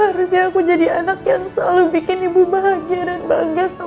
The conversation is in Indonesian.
harusnya aku jadi anak yang selalu bikin ibu bahagia dan bangga